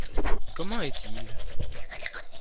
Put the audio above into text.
Comment est-il ?